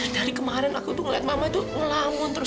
dari kemarin aku tuh ngeliat mama tuh ngelamun terus